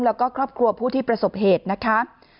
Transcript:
แล้วก็ครอบครัวผู้ที่ประสบเหตุนะคะ